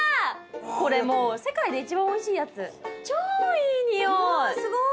これもう世界で一番おいしいやつ超いい匂い！